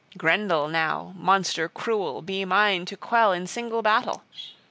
Grendel now, monster cruel, be mine to quell in single battle!